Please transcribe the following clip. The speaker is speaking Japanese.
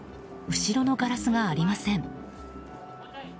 後ろのガラスがありません。